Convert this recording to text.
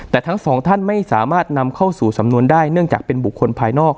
แต่ทั้งสองท่านไม่สามารถนำเข้าสู่สำนวนได้เนื่องจากเป็นบุคคลภายนอก